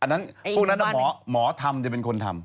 ไม่อันนั้นอีกอันนั้นพวกนั้นหมอทำแต่เป็นคนทำ